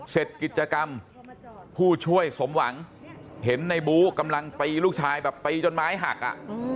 เสร็จกิจกรรมผู้ช่วยสมหวังเห็นในบู๊กำลังตีลูกชายแบบตีจนไม้หักอ่ะ